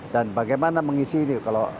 dan bagaimana mengisi kalau lapangan udara gitu